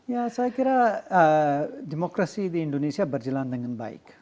ya saya kira demokrasi di indonesia berjalan dengan baik